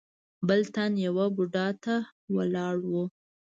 بل تن يوه بوډا ته ولاړ و.